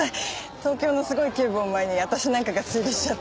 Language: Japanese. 東京のすごい警部を前に私なんかが推理しちゃって。